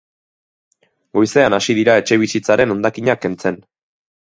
Goizean hasi dira etxebizitzaren hondakinak kentzen.